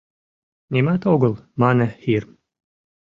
— Нимат огыл, — мане Хирм.